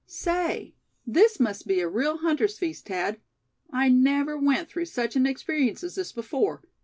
Say, this must be a real hunter's feast, Thad. I never went through such an experience as this before.